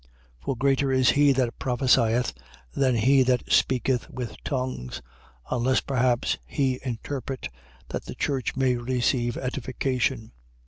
For greater is he that prophesieth than he that speaketh with tongues: unless perhaps he interpret, that the church may receive edification.